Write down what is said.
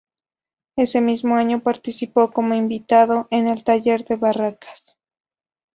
Ese mismo año participó como invitado en el Taller de Barracas.